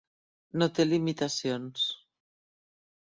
No té limitacions.